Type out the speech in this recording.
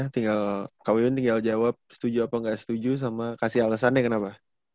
tinggal kak wiwin tinggal jawab setuju atau enggak setuju sama kasih alesannya kenapa